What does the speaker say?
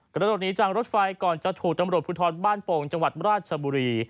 กระโดดหนีจากรถไฟก่อนจะถูกตำรวจภูทรบ้านโป่งจังหวัดราชบุรี